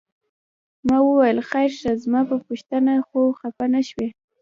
ما وویل خیر شه زما په پوښتنه خو خپه نه شوې؟